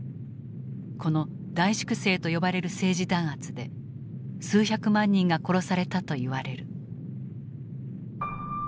この「大粛清」と呼ばれる政治弾圧で数百万人が殺されたと言われる。